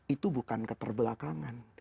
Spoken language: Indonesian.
itu bukan keterbelakangan